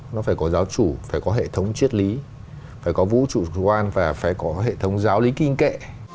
nó phải có giáo chủ phải có hệ thống chiết lý phải có vũ trụ chủ quan và phải có hệ thống giáo lý kinh kệ